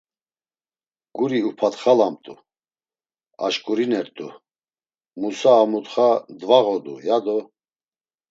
Guri upatxalamt̆u, aşǩurinert̆u Musa a mutxa dvağodu, ya do.